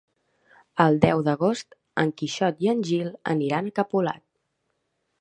El deu d'agost en Quixot i en Gil aniran a Capolat.